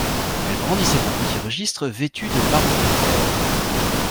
Elle brandissait un petit registre vêtu de maroquin vert.